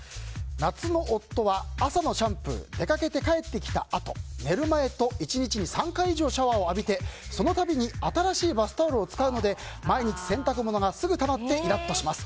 夏の夫は朝のシャンプー帰ってきたあと寝る前と１日に３回以上シャワーを浴びてその度に新しいバスタオルを使うので毎日洗濯物がたまってイラッとします。